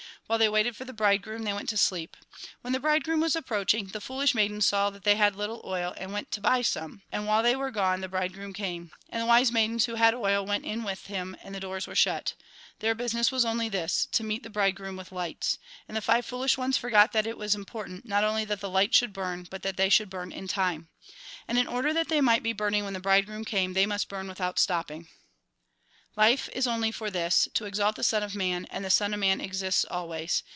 "While they waited for the bridegroom, they went to sleep. When the bridegroom was approaching, the foolish maidens saw that they had httle oil, and went to buy some ; and while they were gone, the bridegroom came. And the wise maidens who had oil went in with him, and the doors were shut. Their business was only this, Mt. xxiv. 45, 46. 48. 60. 61. Mk. xiii 33. Lk. xxi 34 Mt. XXV. 1. 7. 10. LIFE IS NOT TEMPORAL Lk. xiii. 24. 25. Mt. xvi. 27. Mt. XXV. 32. to meet the bridegroom with lights ; and the five foolish ones forgot that it was important, not only that the lights should burn, but that they should burn in time. And in order that they might be burning when the bridegroom came, they must burn without stopping. " Life is only for this, to exalt the Son of Man, and the Son of Man exists always.